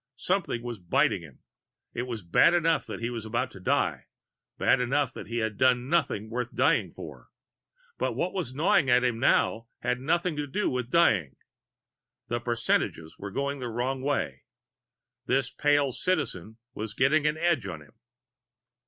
Something was biting him. It was bad enough that he was about to die, bad enough that he had done nothing worth dying for. But what was gnawing at him now had nothing to do with dying. The percentages were going the wrong way. This pale Citizen was getting an edge on him.